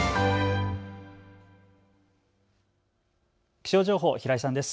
気象情報、平井さんです。